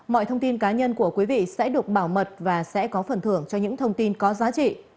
mọi thông tin cá nhân của quý vị sẽ được bảo mật và sẽ có phần thưởng cho những thông tin có giá trị